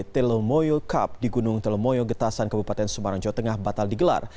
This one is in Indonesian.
telomoyo cup di gunung telomoyo getasan kabupaten semarang jawa tengah batal digelar